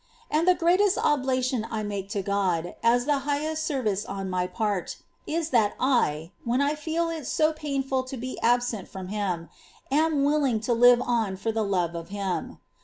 And the greatest oblation I make to God, as the highest service on my part, is that I, when I feel it so painfully to be absent fi'om Him, am willing to live on for the love of Him.